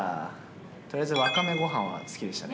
とりあえずわかめごはんは好きでしたね。